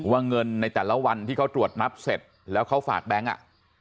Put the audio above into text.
เงินในแต่ละวันที่เขาตรวจนับเสร็จแล้วเขาฝากแบงค์อ่ะ